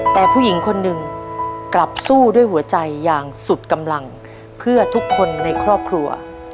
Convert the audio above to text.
แต่ผู้หญิงคนหนึ่งกลับสู้ด้วยหัวใจอย่างสุดกำลังเพื่อทุกคนในครอบครัว